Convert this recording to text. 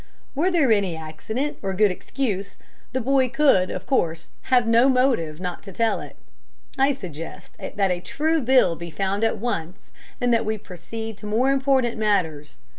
Were there any accident or any good excuse, the boy could, of course, have no motive not to tell it. I suggest that a true bill be found at once, and that we proceed to more important matters.